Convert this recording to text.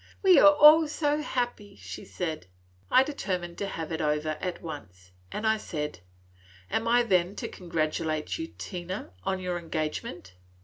"We are all so happy!" she said. I determined to have it over at once, and I said, "Am I then to congratulate you, Tina, on your engagement?"